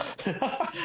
ハハハ。